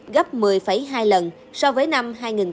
gấp một mươi hai lần so với năm hai nghìn bốn